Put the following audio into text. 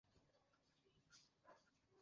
তুমি আমাদেরকে এমন বানিয়েছো!